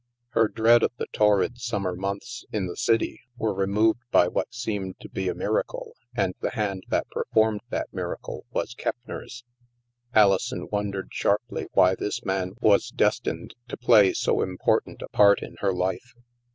Her dread of the torrid summer months in the city were removed by what seemed to be a miracle, and the hand that performed the miracle was Kepp ner's. Alison wondered sharply why this man was destined to play so important a part in her life.